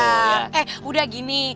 eh udah gini